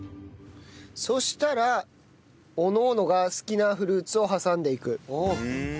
そしたらおのおのが好きなフルーツを挟んでいく。